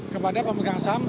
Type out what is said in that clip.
kepada pemegang saham